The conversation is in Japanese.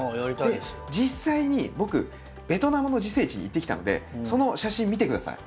で実際に僕ベトナムの自生地に行ってきたんでその写真見てください。